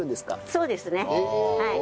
そうですねはい。